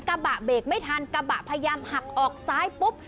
กระบะเบรกไม่ทันกระบะพยายามหักออกซ้ายปุ๊บ